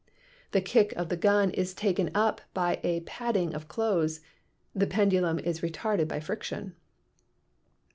The kick of the gun is taken up by a padding of clothes ; the pendulum is retarded by friction.